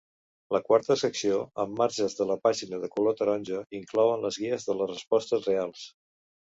La quarta secció, amb marges de la pàgina de color taronja, inclouen les guies de les respostes reals.